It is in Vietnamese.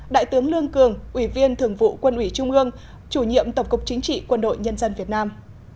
đại tướng lương cường ủy viên thường vụ quân ủy trung ương chủ nhiệm tổng cục chính trị quân đội nhân dân việt nam